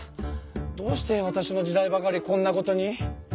どうしてわたしの時代ばかりこんなことに。